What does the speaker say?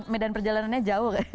medan perjalanannya jauh